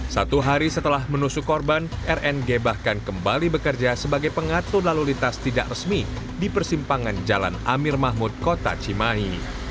satu hari setelah menusuk korban rng bahkan kembali bekerja sebagai pengatur lalu lintas tidak resmi di persimpangan jalan amir mahmud kota cimahi